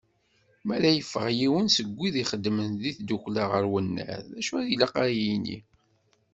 Mi ara yeffeɣ yiwen seg wid ixeddmen di tiddukkla ɣer unnar, d acu i ilaq ad yini.